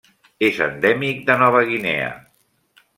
És endèmic de Nova Guinea.